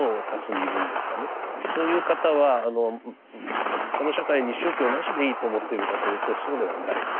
そういう方はその社会に宗教なしでいいと思っているかというとそうではない。